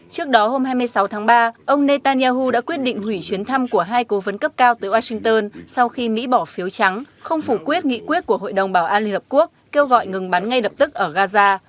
trước đó hôm hai mươi sáu tháng ba ông netanyahu đã quyết định hủy chuyến thăm của hai cố vấn cấp cao tới washington sau khi mỹ bỏ phiếu trắng không phủ quyết nghị quyết của hội đồng bảo an liên hợp quốc kêu gọi ngừng bắn ngay lập tức ở gaza